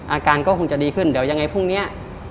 อาการก็คงจะดีขึ้นเดี๋ยวยังไงพรุ่งนี้